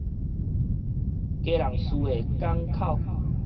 基隆嶼的港口